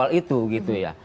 kawal itu gitu ya